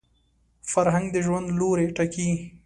فرهنګ د ژوند لوري ټاکي